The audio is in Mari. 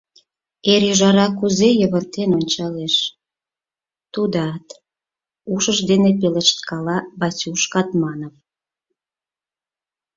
— Эр ӱжара кузе йывыртен ончалеш, тудат... — ушыж дене пелешткала Васюш Катманов.